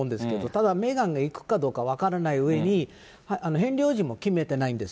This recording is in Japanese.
ただ、メーガンが行くかどうか分からないうえに、ヘンリー王子も決めてないんです。